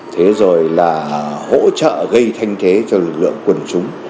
thế rồi là hỗ trợ gây thanh thế cho lực lượng quân chúng